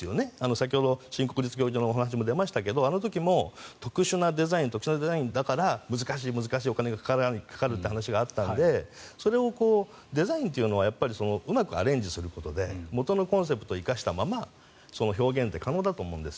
先ほど新国立競技場の話も出ましたがあの時も特殊なデザインだから難しいお金がかかるって話があったのでそれをデザインというのはうまくアレンジすることで元のコンセプトを生かしたまま表現って可能だと思うんです。